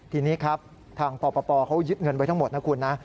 ทีนี้ครับทางปปเขายึดเงินไว้ทั้งหมดนะคุณนะ